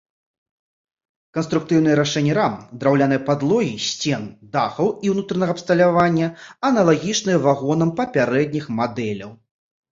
Канструктыўныя рашэнні рам, драўлянай падлогі, сцен, дахаў і ўнутранага абсталявання аналагічныя вагонах папярэдніх мадэляў.